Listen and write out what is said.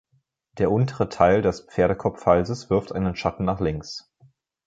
Der untere Teil des Pferdekopfhalses wirft einen Schatten nach links.